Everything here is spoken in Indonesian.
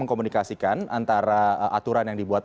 mengkomunikasikan antara aturan yang dibuat